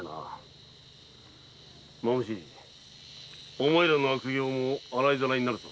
お前らの悪行も洗いざらいになるぞ。